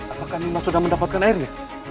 apakah memang sudah mendapatkan airnya